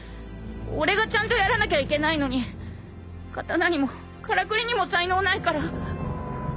俺がちゃんとやらなきゃいけないのに刀にもからくりにも才能ないから。